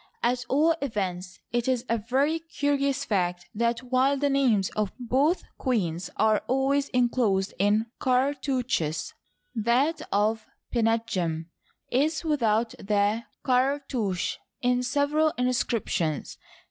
At all events, it is a very curious fact that while the names of both queens are al ways inclosed in cartouches, that of Pinetjem is without the cartouche in several inscriptions.